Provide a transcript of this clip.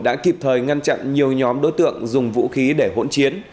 đã kịp thời ngăn chặn nhiều nhóm đối tượng dùng vũ khí để hỗn chiến